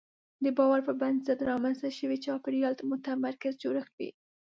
د باور پر بنسټ رامنځته شوی چاپېریال متمرکز جوړښت وي.